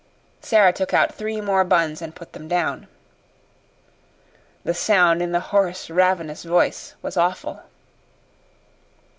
Sara took out three more buns and put them down. The sound in the hoarse, ravenous voice was awful.